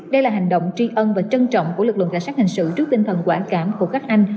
đây là hành động tri ân và trân trọng của lực lượng cảnh sát hình sự trước tinh thần quản cảm của các anh